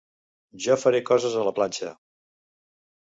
Jo faré coses a la planxa.